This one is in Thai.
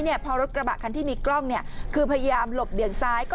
พอรถกระบะคันที่มีกล้องเนี่ยคือพยายามหลบเบี่ยงซ้ายก็